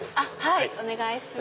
はいお願いします。